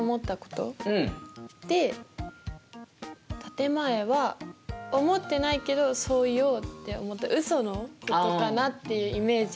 「建て前」は思ってないけどそう言おうって思ったウソのことかなっていうイメージを持っています。